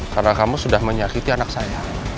karena kamu sudah menyakiti anak saya